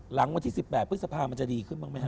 หลังวันที่๑๘พฤษภามันจะดีขึ้นบ้างไหมครับ